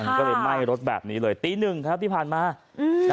มันก็เลยไหม้รถแบบนี้เลยตีหนึ่งครับที่ผ่านมา